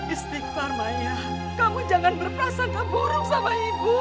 istighfar maya kamu jangan berperasangka buruk sama ibu